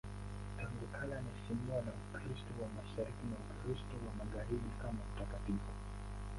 Tangu kale anaheshimiwa na Ukristo wa Mashariki na Ukristo wa Magharibi kama mtakatifu.